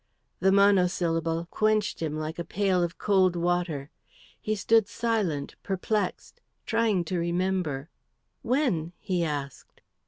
The monosyllable quenched him like a pail of cold water. He stood silent, perplexed, trying to remember. "When?" he asked.